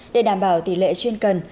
để đảm bảo tỷ lệ chuyên cần